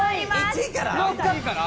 １位から？